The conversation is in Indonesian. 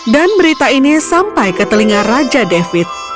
dan berita ini sampai ke telinga raja david